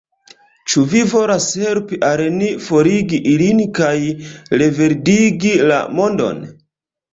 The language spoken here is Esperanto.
Ĉu vi volas helpi al ni forigi ilin kaj reverdigi la mondon?